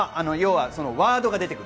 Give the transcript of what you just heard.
ワードが出てくる。